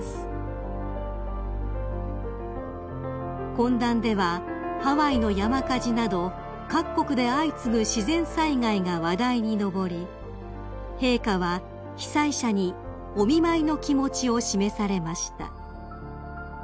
［懇談ではハワイの山火事など各国で相次ぐ自然災害が話題に上り陛下は被災者にお見舞いの気持ちを示されました］